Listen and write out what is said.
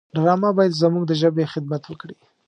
ډرامه باید زموږ د ژبې خدمت وکړي